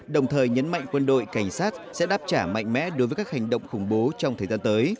đồng thời nhấn mạnh quân đội cảnh sát sẽ đáp trả mạnh mẽ đối với các hành động khủng bố trong thời gian tới